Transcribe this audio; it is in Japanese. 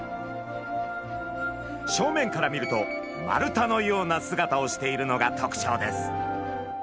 正面から見ると丸太のような姿をしているのがとくちょうです。